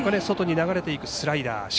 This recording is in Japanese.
外に流れていくスライダー。